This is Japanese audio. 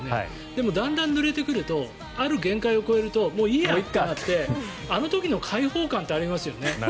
でも、だんだんぬれてくるとある限界を超えるともういいかってなってあの時の解放感ってありますよね。